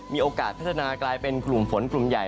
มีโอกาสพัฒนากลายเป็นกลุ่มฝนกลุ่มใหญ่